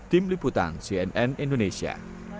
tim liputan cnn indonesia